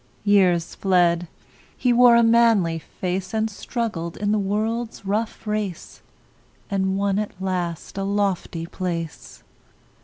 Years fled; he wore a manly face, And struggled in the world's rough race, And won at last a lofty place.